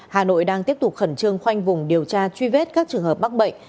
hà nội đang tiếp tục khẩn trương khoanh vùng điều tra truy vết các trường hợp mắc bệnh